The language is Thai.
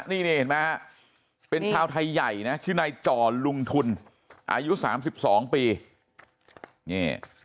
นี่เห็นไหมฮะเป็นชาวไทยใหญ่นะชื่อนายจ่อลุงทุนอายุ๓๒ปีนี่